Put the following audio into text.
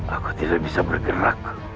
aku tidak bisa bergerak